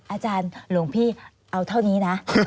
อาจารย์หลวงพี่เอาเท่านี้นะ